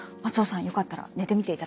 よかったら寝てみていただけますか。